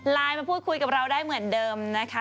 มาพูดคุยกับเราได้เหมือนเดิมนะคะ